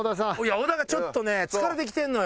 小田がちょっとね疲れてきてんのよ。